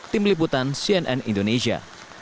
tim liputan cnn indonesia